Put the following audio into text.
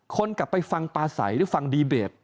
คนกลับไปฟังปลาใสหรือฟังดีเบต